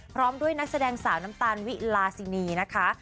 พร้อมด้วยนักแสดงสาวน้ำตาลวิลาซินีนะคะ